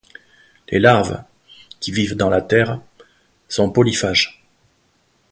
Les larves, qui vivent dans la terre, sont polyphages.